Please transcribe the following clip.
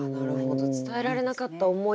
「伝えられなかった思い」